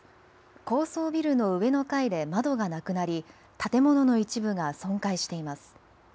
高層ビルの上の階で窓がなくなり建物の一部が損壊しています。